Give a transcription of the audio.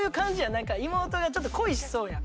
何か妹がちょっと恋しそうやん。